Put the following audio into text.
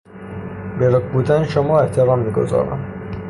به رک بودن شما احترام میگذارم.